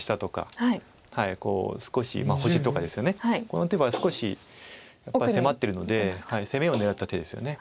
この手は少しやっぱり迫ってるので攻めを狙った手ですよね。